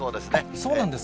そうなんですか。